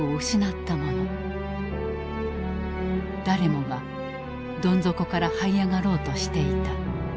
誰もがどん底からはい上がろうとしていた。